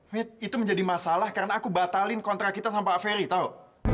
with itu menjadi masalah karena aku batalin kontrak kita sama pak ferry tahu